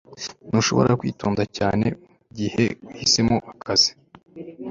Ntushobora kwitonda cyane mugihe uhisemo akazi